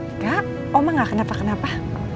enggak oma gak kenapa kenapa